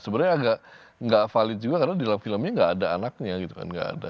sebenarnya agak nggak valid juga karena di dalam filmnya nggak ada anaknya gitu kan